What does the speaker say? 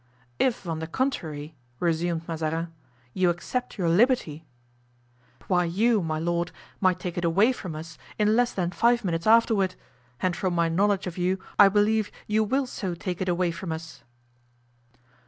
"If on the contrary," resumed Mazarin, "you accept your liberty——" "Why you, my lord, might take it away from us in less than five minutes afterward; and from my knowledge of you I believe you will so take it away from us."